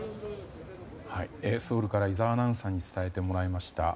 ソウルから井澤アナウンサーに伝えてもらいました。